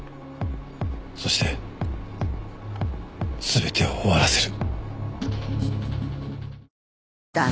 そして全てを終わらせる。